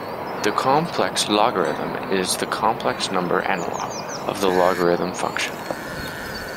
The complex logarithm is the complex number analogue of the logarithm function.